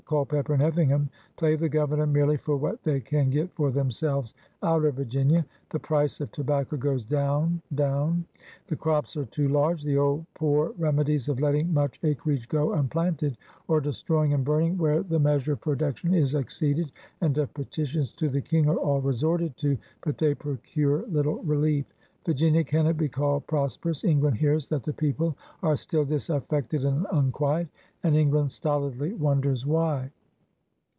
Culpeper and Effing ham play the Governor merely for what they can get for themselves out of Virginia. ' The price of tobacco goes down, down. The crops are too lai^e ; the old poor remedies of letting much acreage go unplanted, or destroying and burning where the measure of production is exceeded, and of petitions to the King, are all resorted to, but they procure little relief. Virginia cannot be called prosperous. England hears that the people are still disafiFected and unquiet — and England stolidly wonders why.